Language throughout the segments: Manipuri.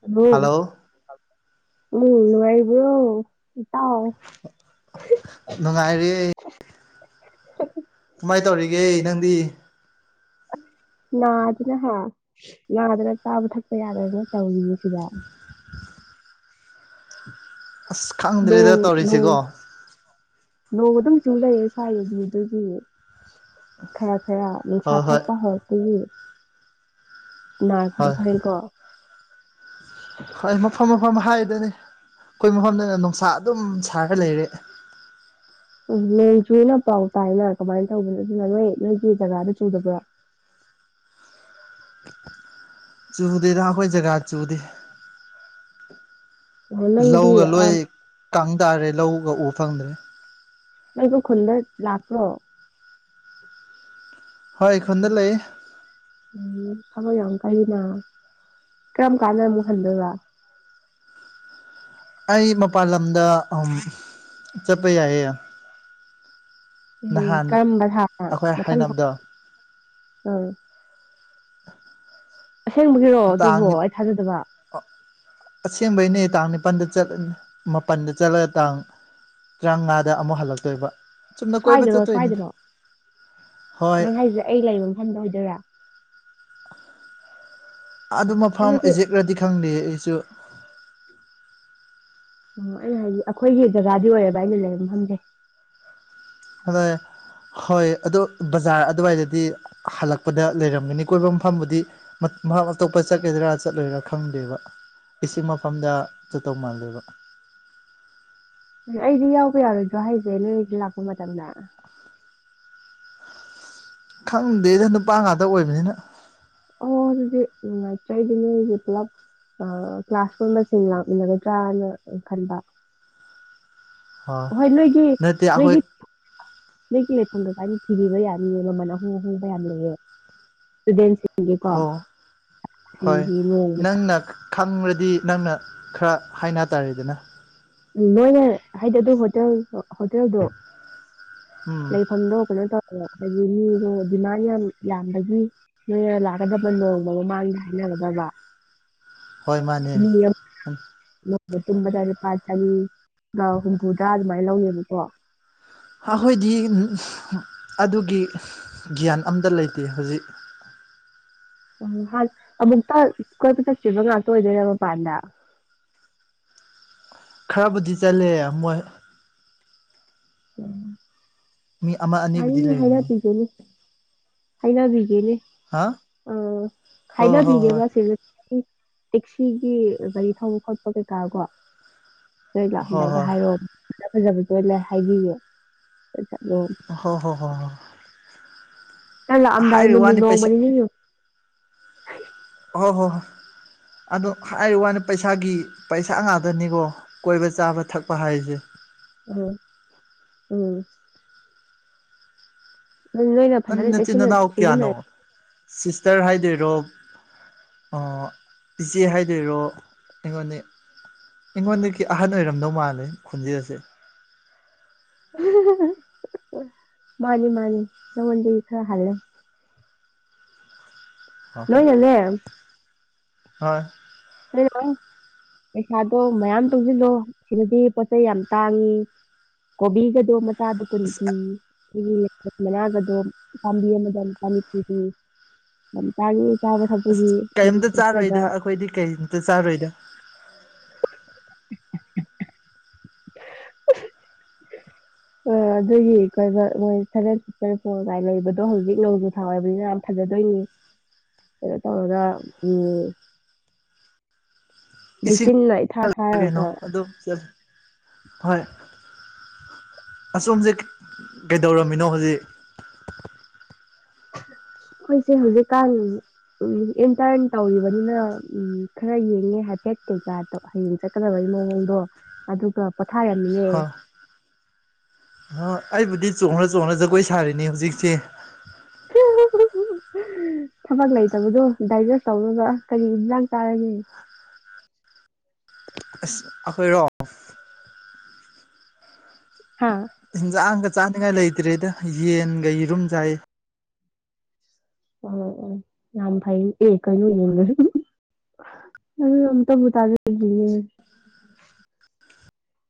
ꯍꯂꯣꯟ ꯍꯜꯂꯣ ꯃꯨꯡ ꯅꯨꯡꯉꯥꯏꯔꯤꯕ꯭ꯔꯣ ꯏꯇꯥꯎ ꯅꯨꯡꯉꯥꯏꯔꯤ ꯀꯃꯥꯏ ꯇꯧꯔꯤꯒꯦ ꯅꯪꯗꯤ ꯅꯥꯗꯅ ꯍꯥ ꯅꯥꯗꯅ ꯆꯥꯕ ꯊꯛꯄ ꯌꯥꯗꯗꯅ ꯇꯧꯔꯤꯌꯦ ꯁꯤꯗ ꯑꯁ ꯈꯪꯗ꯭ꯔꯦꯗ ꯅꯣꯡ ꯇꯧꯔꯤꯁꯤꯀꯣ ꯅꯣꯡ ꯅꯣꯡ ꯑꯗꯨꯝ ꯆꯨ ꯂꯩꯔꯦ ꯁ꯭ꯋꯥꯏꯖꯤꯗꯨꯒꯤ ꯈꯔ ꯈꯔ ꯅꯨꯡꯁꯥ ꯍꯣꯏ ꯍꯣꯏ ꯊꯣꯛꯄ ꯍꯧꯔꯛꯄꯒꯤ ꯍꯣꯏ ꯅꯔꯗꯈꯥꯏꯅꯤꯀꯣ [unintelligible] ꯍꯣꯏ ꯃꯐꯝ ꯃꯐꯝ ꯍꯥꯏꯗꯅꯤ ꯑꯩꯈꯣꯏ ꯃꯐꯝꯗꯅ ꯅꯨꯡꯁꯥ ꯑꯗꯨꯝ ꯁꯥꯔꯒ ꯂꯩꯔꯦ ꯎꯝ ꯅꯣꯡ ꯆꯨꯏꯅ ꯄꯥꯎ ꯇꯥꯏꯅ ꯀꯃꯥꯏꯅ ꯇꯧꯕꯅꯣ ꯑꯗꯨꯅ ꯅꯣꯏ ꯅꯣꯏꯒꯤ ꯖꯒꯥꯗ ꯆꯨꯗꯕ꯭ꯔꯣ ꯆꯨꯗꯦꯗ ꯑꯩꯈꯣꯏ ꯖꯒꯥ ꯆꯨꯗꯦ ꯑꯣ ꯅꯪꯗꯤ ꯂꯧꯒ ꯂꯣꯏ ꯑꯥ ꯀꯪꯇꯥꯥꯔꯦ ꯂꯧꯒ ꯎꯕ ꯐꯪꯗ꯭ꯔꯦ ꯅꯪꯗꯤ ꯈꯨꯜꯗ ꯂꯥꯛꯄ꯭ꯔꯣ ꯍꯣꯏ ꯈꯨꯜꯗ ꯂꯩ ꯎꯝ ꯊꯕꯛ ꯌꯥꯝ ꯀꯟꯂꯤꯅꯥ ꯀꯔꯝ ꯀꯥꯟꯗ ꯑꯃꯨꯛ ꯍꯟꯗꯣꯏꯕ ꯑꯩ ꯃꯄꯥꯟ ꯂꯝꯗ ꯑ ꯆꯠꯄ ꯌꯥꯏꯌꯦ ꯎꯝ ꯅꯍꯥꯟ ꯀꯔꯝꯕ ꯊꯥꯗ ꯑꯩꯈꯣꯏ ꯃꯊꯪ ꯊ ꯍꯥꯏꯅꯕꯗꯣ ꯎꯝ ꯑꯁꯦꯡꯕꯒꯤꯔꯣ ꯇꯥꯡ ꯑꯗꯨꯕꯣ ꯑꯩ ꯊꯥꯖꯗꯕ ꯑꯁꯦꯡꯕꯩꯅꯦ ꯇꯥꯡ ꯅꯤꯄꯥꯜꯗ ꯆꯠꯂꯅꯤ ꯃꯥꯄꯜꯗ ꯆꯠꯂꯒ ꯇꯥꯡ ꯇꯔꯥꯃꯉꯥꯗ ꯑꯃꯨꯛ ꯍꯜꯂꯛꯇꯣꯏꯕ ꯆꯨꯝꯅ ꯀꯣꯏꯕ ꯁ꯭ꯋꯥꯏꯗꯔꯣ ꯆꯠꯇꯣꯏꯅꯤꯗ ꯁ꯭ꯋꯥꯏꯗꯔꯣ ꯍꯣꯏ ꯅꯪ ꯍꯥꯏꯁꯦ ꯑꯩ ꯂꯩꯔꯤꯕ ꯃꯐꯝꯗ ꯑꯣꯏꯗꯣꯏꯔꯥ ꯑꯗꯨ ꯃꯐꯝ ꯅꯠꯇꯦ ꯑꯦꯖꯦꯛꯔꯗꯤ ꯈꯪꯗꯦ ꯑꯩꯁꯨ ꯑꯣ ꯑꯩ ꯍꯥꯏꯗꯤ ꯑꯩꯈꯣꯏꯒꯤ ꯖꯒꯥꯗꯤ ꯑꯣꯏꯌꯦꯕ ꯑꯩꯅ ꯂꯩꯔꯤꯕ ꯃꯐꯝꯖꯦ ꯍꯣꯌꯦ ꯍꯣꯏ ꯑꯗꯣ ꯕꯖꯥꯔ ꯑꯗꯨꯋꯥꯏꯗꯗꯤ ꯍꯜꯂꯛꯄꯗ ꯂꯩꯔꯝꯒꯅꯤ ꯀꯣꯏꯕ ꯃꯐꯝꯕꯨꯗꯤ ꯃꯍꯥꯛ [unintelligible] ꯑꯇꯣꯞꯄ ꯆꯠꯀꯗꯔꯥ ꯆꯠꯂꯣꯏꯔꯥ ꯈꯪꯗꯦꯕ ꯏꯁꯤꯡ ꯃꯐꯝꯗ ꯆꯠꯇꯧ ꯃꯥꯜꯂꯦꯕ ꯑꯩꯗꯤ ꯌꯥꯎꯕ ꯌꯥꯔꯣꯏꯗ꯭ꯔꯣ ꯍꯥꯏꯁꯦ ꯅꯣꯏ ꯂꯥꯛꯄ ꯃꯇꯝꯗ ꯈꯪꯗꯦꯗ ꯅꯨꯄꯥ ꯉꯥꯛꯇ ꯑꯣꯏꯕꯅꯤꯅ ꯑꯣ ꯑꯗꯨꯗꯤ ꯅꯨꯡꯉꯥꯏꯇꯦ ꯑꯩꯗꯤ ꯅꯣꯏꯒꯤ ꯄꯨꯂꯞ ꯀ꯭ꯂꯥꯁ ꯄꯨꯟꯕꯁꯤꯡ ꯂꯥꯛꯃꯤꯟꯅꯒꯗ꯭ꯔꯥꯅ ꯈꯟꯕ ꯑ ꯍꯣꯏ ꯅꯠꯇꯦ ꯑꯈꯣꯏ ꯅꯒꯤ [unintelligible] ꯂꯩꯐꯝꯗ [unintelligible] ꯀꯥꯏꯅ [unintelligible] ꯊꯤꯕꯤꯕ ꯌꯥꯅꯤꯌꯦ ꯃꯃꯜ ꯑꯍꯣꯡ ꯑꯍꯣꯡꯕ ꯌꯥꯝ ꯂꯩꯌꯦ ꯏꯁꯇꯨꯗꯦꯟꯁ ꯁꯤꯦ [unintelligible] ꯄꯥ ꯍꯣ [unintelligible] ꯍꯣꯏ ꯁꯤꯡꯒꯤ ꯅꯣꯡꯃ ꯅꯪꯅ ꯈꯪꯔꯗꯤ ꯅꯪꯅ ꯈ꯭ꯔ ꯍꯥꯏꯅ ꯇꯥꯔꯦꯗꯅ ꯅꯣꯏꯅꯦ ꯍꯥꯏꯗꯤ ꯑꯗꯨ ꯍꯣꯇꯦꯜ ꯍꯣꯇꯦꯜꯗꯣ ꯎꯝ ꯂꯩꯐꯝꯗꯣ ꯀꯩꯅꯣ ꯇꯧꯋꯦꯕ ꯍꯥꯏꯗꯤ ꯃꯤꯗꯣ ꯗꯤꯃꯥꯟ ꯌꯥꯝ ꯌꯥꯝꯕꯒꯤ ꯅꯣꯏꯅ ꯂꯥꯛꯀꯗꯕ ꯅꯣꯡꯃ ꯃꯃꯥꯡꯗ ꯍꯥꯏꯅꯒꯗꯕ ꯍꯣꯏ ꯃꯥꯅꯦ ꯄ [unintelligible] ꯆꯍꯤ [unintelligible] ꯍꯨꯝꯐꯨꯇꯔꯥ ꯑꯗꯨꯃꯥꯏ ꯂꯧꯅꯦꯕꯀꯣ ꯑꯈꯣꯏꯗꯤ ꯑꯗꯨꯒꯤ ꯒ꯭ꯌꯥꯟ ꯑꯝꯇ ꯂꯩꯇꯦ ꯍꯧꯖꯤꯛ ꯑꯣ ꯍꯥꯏ ꯑꯃꯨꯛꯇ ꯀꯣꯏꯕ ꯆꯠꯇ꯭ꯔꯤꯕ ꯉꯥꯛꯇ ꯑꯣꯏꯗꯣꯏꯔ ꯃꯄꯥꯟꯗ ꯈ꯭ꯔꯕꯨꯗꯤ ꯆꯠꯂꯦ ꯃꯣꯏ ꯃꯤ ꯑꯃ ꯑ ꯑꯅꯤꯕꯨꯗꯤ [unintelligible] ꯍꯩꯅ ꯂꯩꯕꯅꯤ [unintelligible] ꯇꯤꯒꯦꯅꯤ [unintelligible] ꯍꯥꯏꯅꯥꯕꯤꯒꯦꯅꯤ ꯍꯥ ꯑ ꯍꯣꯏ ꯍꯣꯏ ꯍꯥꯏꯅꯕꯤꯒꯦꯕ ꯑꯁꯤ ꯇꯦꯛꯁꯤꯒꯤ ꯒꯥꯔꯤ ꯊꯧꯕ ꯈꯣꯠꯄ ꯀꯩꯀꯥ ꯀꯣ ꯅꯣꯏ ꯍꯣꯏ ꯍꯣꯏ ꯂꯥꯛꯑꯝꯗꯥꯏꯗ ꯍꯣꯏ ꯍꯥꯏꯔꯣꯕ ꯐꯖ ꯐꯖꯕꯗꯣ ꯂꯣꯏꯅ ꯍꯥꯏꯕꯤꯌꯦ ꯑꯗꯨꯝ [unintelligible] ꯍꯣꯏ ꯍꯣꯏ ꯍꯣꯏ ꯍꯣꯏ ꯍꯣꯏ ꯂꯥꯛꯑꯝꯗꯥꯏ ꯍꯥꯏꯔꯤ ꯅꯨꯃꯤꯠ ꯋꯥꯅꯤ ꯅꯣꯡꯃ ꯄꯩꯁꯥ ꯅꯤꯅꯤ ꯍꯣꯏ ꯍꯣꯏ ꯍꯣꯏ ꯑꯗꯨ ꯍꯥꯏ ꯋꯥꯅꯤ ꯄꯩꯁꯥꯒꯤ ꯄꯩꯁꯥ ꯉꯥꯛꯗꯅꯤꯀꯣ ꯀꯣꯏꯕ ꯆꯥꯕ ꯊꯛꯄ ꯍꯥꯏꯁꯦ ꯎꯝ ꯎꯝ ꯑꯗꯨ ꯅꯣꯏꯅ ꯅꯪ ꯐꯖꯅ ꯅꯆꯤꯟ ꯆꯦꯛꯁꯤꯜꯂ ꯅꯅꯥꯎ ꯀꯌꯥꯅꯣ ꯁꯤꯖꯤꯟꯅꯔꯦ ꯁꯤꯁꯇꯔ ꯍꯥꯏꯗꯣꯏꯔꯣ ꯑꯥ ꯏꯆꯦ ꯍꯥꯏꯗꯣꯏꯔꯣ ꯑꯩꯉꯣꯟꯅꯦ ꯑꯩꯉꯣꯟꯗꯒꯤ ꯑꯍꯟ ꯑꯣꯏꯔꯝꯗꯧ ꯃꯥꯜꯂꯦ ꯈꯣꯟꯖꯦꯜꯁꯤ [unintelligible] ꯃꯥꯅꯤ ꯃꯥꯅꯤ ꯅꯉꯣꯟꯗꯒꯤ ꯈꯔ ꯍꯜꯂꯦ ꯍꯣ ꯅꯣꯏꯅꯅꯦ ꯍꯣꯏ ꯍꯣꯏ ꯂꯩꯔꯀꯪ ꯄꯩꯁꯥꯗꯣ ꯃꯌꯥꯝ ꯇꯣꯡꯁꯤꯜꯂꯣ ꯁꯤꯗꯗꯤ ꯄꯣꯠ ꯆꯩꯩ ꯌꯥꯝ ꯇꯥꯡꯉꯤ ꯀꯣꯕꯤꯒꯥꯗꯨ ꯃꯆꯥꯗꯨ ꯑꯁ ꯀꯨꯟꯄꯤ ꯁꯤꯒꯤ ꯂꯦꯇꯨꯁ ꯃꯅꯥꯒꯗꯣ ꯄꯥꯝꯕꯤ ꯑꯃꯗ ꯂꯨꯄꯥ ꯅꯤꯐꯨ ꯄꯤ ꯂꯝꯇꯒꯤ ꯆꯥꯕ ꯊꯛꯄꯒꯤ ꯑꯁ [unintelligible] ꯀꯩꯝꯇ ꯆꯥꯔꯣꯏꯗ ꯑꯩꯈꯣꯏꯗꯤ ꯀꯩꯝꯇ ꯆꯥꯔꯣꯏꯗ [unintelligible] ꯑ ꯑꯗꯒꯤ ꯀꯣꯏꯕ ꯃꯣꯏ ꯁꯚꯦꯟ ꯁꯤꯁꯇꯔ ꯁꯣꯒꯥꯏ ꯂꯩꯕꯗꯣ ꯍꯧꯖꯤꯛ ꯂꯩꯕ ꯍꯣꯏ ꯑꯗꯨꯗ ꯌꯥꯝ ꯐꯖꯗꯣꯏꯅꯤ ꯀꯩꯅꯣ ꯇꯧꯔꯒ ꯎꯝ ꯏꯁꯤꯡ ꯂꯩꯆꯤꯟꯅ ꯏꯊꯥ ꯊꯥꯔꯒꯀꯣ [unintelligible] ꯑꯗꯨꯝ ꯆꯠ ꯍꯣꯏ ꯑꯁꯣꯝꯁꯦ ꯀꯩꯗꯧꯔꯝꯃꯤꯅꯣ ꯍꯧꯖꯤ ꯈꯣꯏꯁꯦ ꯍꯧꯖꯤꯛꯀꯥꯟ ꯎꯝ ꯏꯟꯇꯔꯟ ꯇꯧꯔꯤꯕꯅꯤꯅ ꯎꯝ ꯈꯔ ꯌꯦꯡꯉꯦ ꯍꯥꯏꯐꯦꯠ ꯀꯩꯀꯥ ꯗꯣ ꯍꯌꯦꯡ ꯆꯠꯀꯗꯕ [unintelligible] ꯗꯣ ꯑꯗꯨꯒ ꯄꯣꯊꯥꯔꯝꯃꯤꯌꯦ ꯍꯣ ꯑꯩꯕꯨꯗꯤ ꯆꯣꯡꯔ ꯆꯣꯡꯔ ꯖꯒꯣꯏ ꯁꯥꯔꯤꯅꯦ ꯍꯧꯖꯤꯛꯁꯦ ꯊꯕꯛ ꯂꯩꯇꯕꯗꯣ ꯗꯥꯏꯖꯦꯁ ꯇꯧꯔꯒ ꯀꯔꯤ ꯏꯟꯖꯥꯡ ꯆꯥꯔꯒꯦ ꯑꯈꯣꯏꯔꯣ ꯍꯥꯥ ꯍꯦꯟꯖꯥꯡꯒ ꯆꯥꯅꯤꯉꯥꯏ ꯂꯩꯇ꯭ꯔꯦꯗ ꯌꯦꯟꯒ ꯌꯦꯔꯨꯝ ꯆꯥꯏꯌꯦ ꯑꯣ ꯑꯣ ꯌꯥꯝ ꯐꯩꯌꯦ ꯑꯦ ꯀꯩꯅꯣ ꯅ [unintelligible] [unintelligible] ꯑꯝꯇꯕꯨ ꯇꯥꯖꯗ꯭ꯔꯤ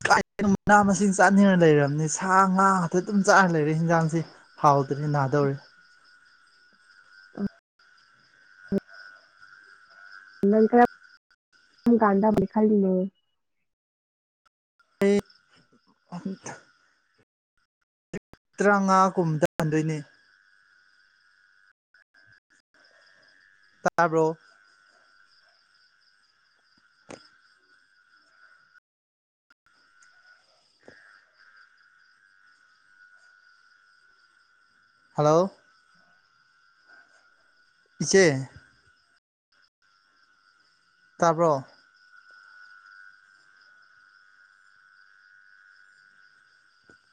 ꯀꯥꯏꯅꯣ ꯃꯅꯥ ꯃꯁꯤꯡ ꯆꯥꯅꯤꯡꯔ ꯂꯩꯔꯝꯅꯤ ꯁꯥ ꯉꯥ ꯉꯥꯛꯇ ꯑꯗꯨꯝ ꯆꯥꯔ ꯂꯩꯔꯦ ꯍꯦꯟꯖꯥꯡꯁꯤ ꯍꯥꯎꯇ꯭ꯔꯦ ꯅꯥꯗꯧꯔꯦ ꯅꯣꯏ ꯀꯔꯝ ꯀꯥꯟꯗꯕꯨꯗꯤ ꯈꯜꯂꯤꯅꯣ ꯑꯩ [unintelligible] ꯇ꯭ꯔꯥꯉꯥꯒꯨꯝꯗ ꯍꯟꯗꯣꯏꯅꯦ ꯇꯥ ꯕ꯭ꯔꯣ [unintelligible] ꯍꯜꯂꯣ ꯏꯆꯦ ꯇꯥꯕ꯭ꯔꯣ